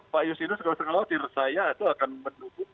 pak yusinus kalau kalau tiru saya itu akan menutup